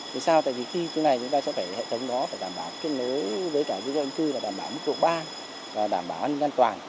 tại sao tại vì khi chúng ta sẽ phải hệ thống đó phải đảm bảo kết nối với cả dân cư là đảm bảo mục vụ ba và đảm bảo an toàn